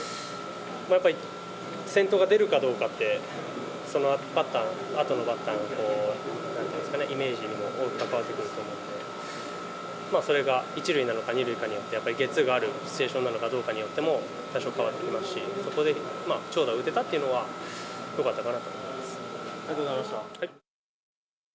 やっぱり先頭が出るかどうかって、そのあとのバッターの、なんていうんですかね、イメージにも大きく関わってくると思ったので、それが１塁なのか２塁かによってやっぱりゲッツーがあるかどうかによっても多少変わってきますし、そこで長打を打てたっていうのはありがとうございました。